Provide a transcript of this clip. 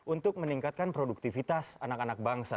untuk meningkatkan produktivitas anak anak bangsa